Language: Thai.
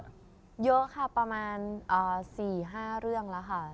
เยอะค่ะประมาณ๔๕เรื่องแล้วค่ะ